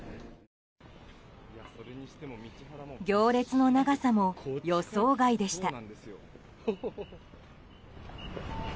行列の長さも予想外でした。